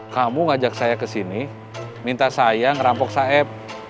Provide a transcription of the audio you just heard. kamu ngajak saya ke sini minta saya ngerampok saib